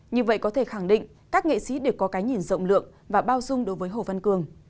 như vậy có thể khẳng định các nghệ sĩ đều có cái nhìn rộng lượng và bao dung đối với hồ văn cường